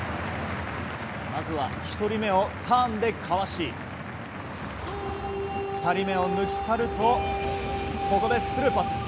まずは１人目をターンでかわし２人目を抜き去るとここで、スルーパス。